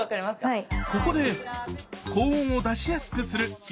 はい。